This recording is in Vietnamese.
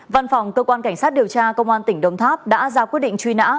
văn phòng cơ quan cảnh sát điều tra công an tỉnh đồng tháp đã ra quyết định truy nã